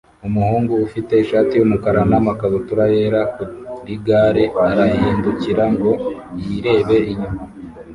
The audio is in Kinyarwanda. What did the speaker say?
Umuhungu ufite ishati yumukara namakabutura yera kuri gare arahindukira ngo yirebe inyuma